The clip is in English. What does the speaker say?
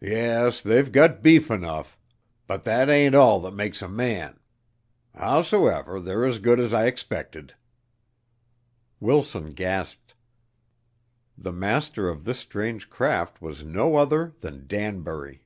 "Yes, they've gut beef 'nuff but that ain't all that makes a man. Howsomever, they're as good as I expected." Wilson gasped; the master of this strange craft was no other than Danbury!